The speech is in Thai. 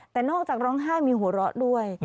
แต่นอกจากร้องไห้มีหัวเราะด้วย